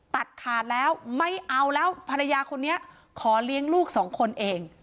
ตัดขาดแล้วไม่เอาแล้วภรรยาคนนี้ขอเลี้ยงลูกสองคนเอง